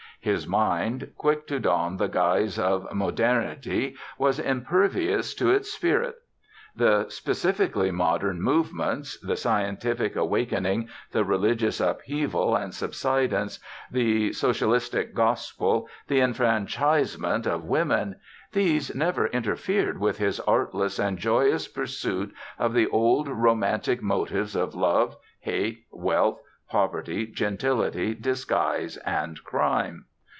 His mind, quick to don the guise of modernity, was impervious to its spirit. The specifically modern movements, the scientific awakening, the religious upheaval and subsidence, the socialistic gospel, the enfranchisement of women these never interfered with his artless and joyous pursuit of the old romantic motives of love, hate, wealth, poverty, gentility, disguise, and crime.